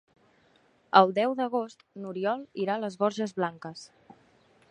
El deu d'agost n'Oriol irà a les Borges Blanques.